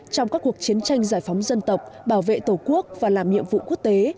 trong các cuộc chiến tranh giải phóng dân tộc bảo vệ tổ quốc và làm nhiệm vụ quốc tế